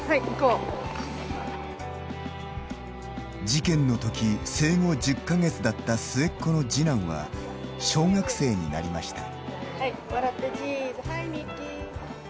事件のとき生後１０か月だった末っ子の次男は小学生になりました。